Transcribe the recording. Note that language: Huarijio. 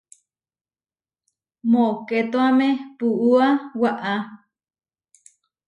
Mokétoame puúa waʼá.